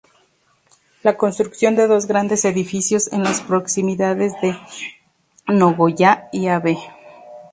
La construcción de dos grandes edificios en las proximidades de Nogoyá y Av.